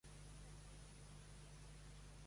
També pot ser una guitarra feta per a aquesta finalitat.